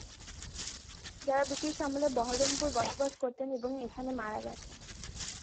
যারা ব্রিটিশ আমলে বহরমপুর বসবাস করতেন এবং এখানে মারা গেছেন।